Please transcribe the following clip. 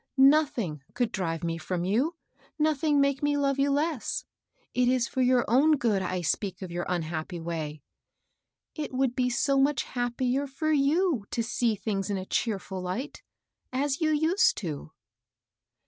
" Nothing could drive me fjpom you, — nothing make me love you less. It is for your own good I speak of your unhappy way. It would be so much happier for you to see things in a cheerful light, as you used to."